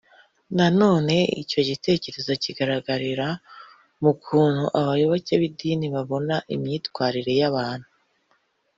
nanone icyo gitekerezo kigaragarira mu kuntu abayoboke b’idini babona imyitwarire y’abantu.